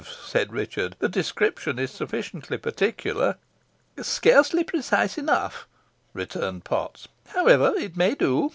said Richard. "The description is sufficiently particular." "Scarcely precise enough," returned Potts. "However, it may do.